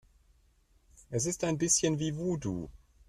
Es ist ein bisschen wie Voodoo.